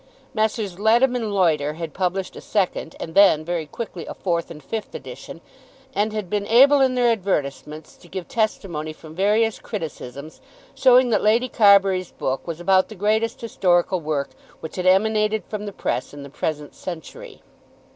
Messrs. Leadham and Loiter had published a second, and then, very quickly, a fourth and fifth edition; and had been able in their advertisements to give testimony from various criticisms showing that Lady Carbury's book was about the greatest historical work which had emanated from the press in the present century.